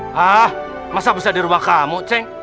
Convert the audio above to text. hah masa bisa di rumah kamu ceng